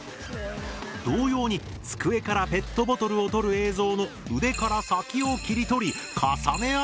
同様に机からペットボトルを取る映像の腕から先を切り取り重ね合わせる。